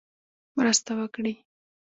مرسته وکړي.